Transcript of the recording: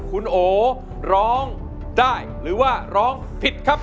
คุณโอร้องได้หรือว่าร้องผิดครับ